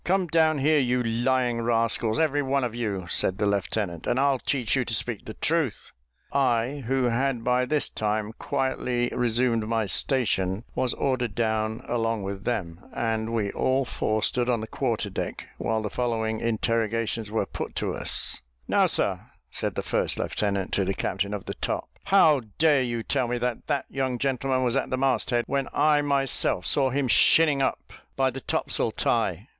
"Come down here, you lying rascals, every one of you," said the lieutenant, "and I'll teach you to speak the truth!" I, who had by this time quietly resumed my station, was ordered down along with them; and we all four stood on the quarter deck, while the following interrogations were put to us: "Now, sir," said the first lieutenant to the captain of the top, "how dare you tell me that that young gentleman was at the mast head, when I myself saw him 'shinning' up by the topsail tie?"